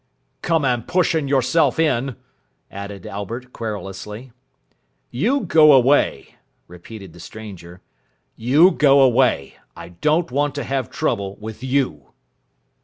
"Coming pushing yourself in," added Albert querulously. "You go away," repeated the stranger. "You go away. I don't want to have trouble with you."